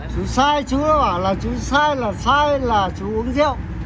chú sai chú đã bảo là chú sai là sai là chú uống rượu